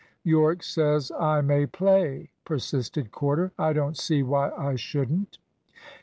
"Yorke says I may play," persisted Corder; "I don't see why I shouldn't."